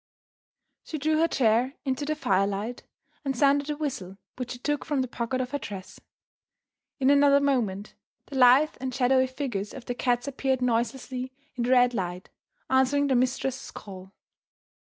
She drew her chair into the firelight, and sounded a whistle which she took from the pocket of her dress. In another moment the lithe and shadowy figures of the cats appeared noiselessly in the red light, answering their mistress's call.